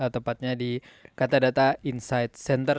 tepatnya di kata data insight center